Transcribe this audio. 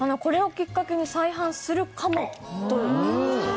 これをきっかけに再販するかもという。